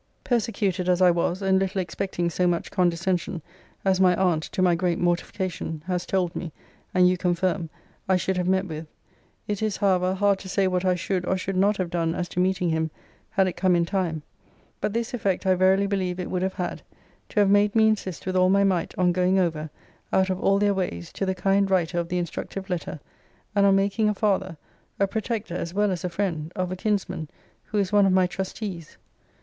Persecuted as I was, and little expecting so much condescension, as my aunt, to my great mortification, has told me (and you confirm) I should have met with, it is, however, hard to say what I should or should not have done as to meeting him, had it come in time: but this effect I verily believe it would have had to have made me insist with all my might on going over, out of all their ways, to the kind writer of the instructive letter, and on making a father (a protector, as well as a friend) of a kinsman, who is one of my trustees.